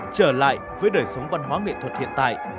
trở lại với đời sống văn hóa nghệ thuật hiện tại